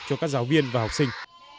cho các giáo viên và học sinh